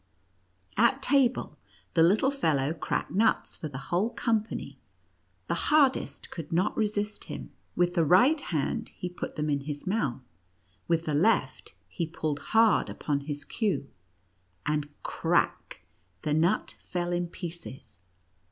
At table, the little fellow cracked nuts for the whole com pany — the hardest could not resist him; with the right hand he put them in his mouth ; with the left, he pulled hard upon his queue, and — crack — the nut fell in pieces